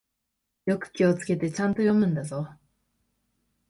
よく気をつけて、ちゃんと読むんだぞ。